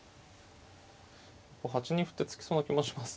８二歩って突きそうな気もします。